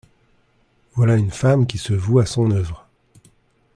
Voilà une femme qui se voue à son œuvre !